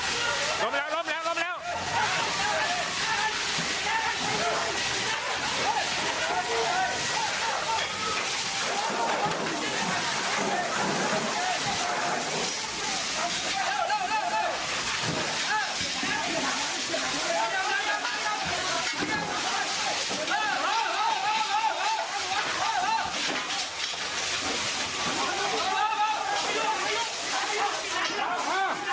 ล้อมเร็วล้อมเร็วล้อมเร็ว